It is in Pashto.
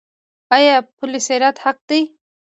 آیا پل صراط حق دی؟